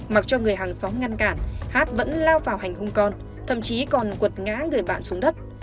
mặc cho người hàng xóm ngăn cản hát vẫn lao vào hành hung con thậm chí còn quật ngã người bạn xuống đất